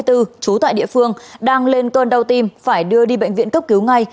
trú tại địa phương đang lên cơn đau tim phải đưa đi bệnh viện cấp cứu ngay